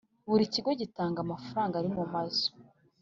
Buri kigo gitanga amafaranga arimumazu